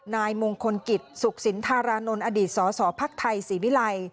นายมงคลกิจสุขสินธารานนท์อดีตสสภักดิ์ไทยศรีวิลัย